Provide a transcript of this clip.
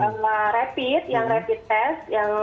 kalau untuk rapid yang rapid test